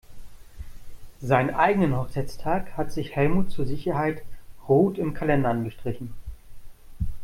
Seinen eigenen Hochzeitstag hat sich Helmut zur Sicherheit rot im Kalender angestrichen.